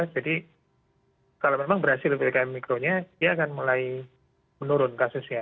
jadi kalau memang berhasil ptkm micro nya dia akan mulai menurun kasusnya